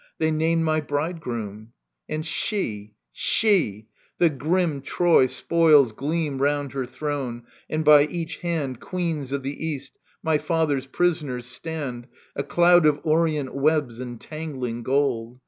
They named my bridegroom !— And she, s h e !••. The grim Troy spoik gleam round her throne, and by each hand Queens of the East, my father^s prisoners, stand, A cloud of Orient webs and tangling gold.